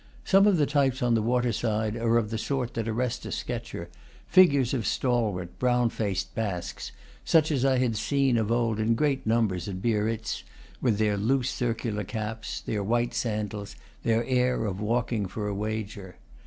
Some of the types on the water side are of the sort that arrest a sketcher, figures of stalwart, brown faced Basques, such as I had seen of old in great numbers at Biarritz, with their loose circular caps, their white sandals, their air of walking for a wager.